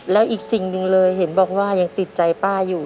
แล้วอีกสิ่งหนึ่งเลยเห็นบอกว่ายังติดใจป้าอยู่